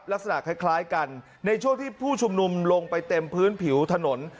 ลักษณะคล้ายกันในช่วงที่ผู้ชุมนุมลงไปเต็มพื้นผิวถนน